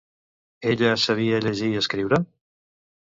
Ella sabia llegir i escriure?